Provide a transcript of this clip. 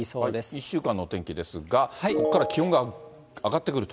１週間のお天気ですが、ここから気温が上がってくると。